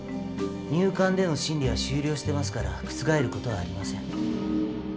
入管での審理は終了してますから覆ることはありません。